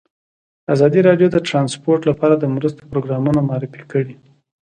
ازادي راډیو د ترانسپورټ لپاره د مرستو پروګرامونه معرفي کړي.